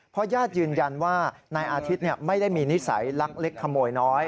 เพราะญาติยืนยันว่านายอาทิตย์ไม่ได้มีนิสัยลักเล็กขโมยน้อย